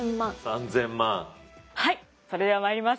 はいそれではまいります。